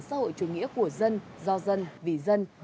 xã hội chủ nghĩa của dân do dân vì dân